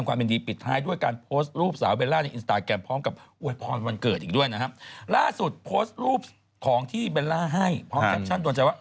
งานนี้เหล่าบรรดาแฟนคลับก็เลยตามรุ้นเค้าให้อะไรกันเหรอแองจี้